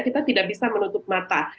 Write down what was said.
kita tidak bisa menutup mata